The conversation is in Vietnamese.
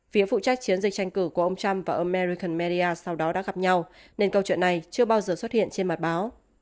phía phụ trách chiến dịch tranh cử của ông trump và ông maricon media sau đó đã gặp nhau nên câu chuyện này chưa bao giờ xuất hiện trên mặt báo